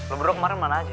lo berdua kemarin mana aja